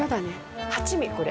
八味これ。